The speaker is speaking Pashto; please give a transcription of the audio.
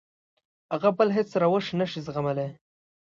هغه بل هېڅ روش نه شي زغملی.